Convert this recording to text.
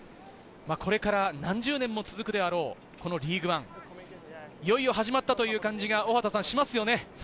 これから何十年も続くであろうリーグワン、いよいよ始まったという感じがしますよね。